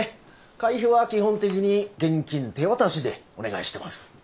会費は基本的に現金手渡しでお願いしてます。